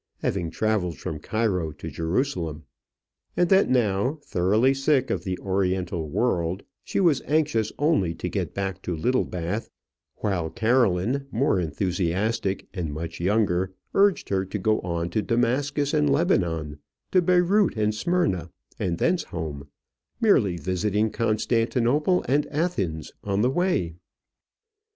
having travelled from Cairo to Jerusalem, and that now, thoroughly sick of the oriental world, she was anxious only to get back to Littlebath; while Caroline, more enthusiastic, and much younger, urged her to go on to Damascus and Lebanon, to Beyrout and Smyrna, and thence home, merely visiting Constantinople and Athens on the way.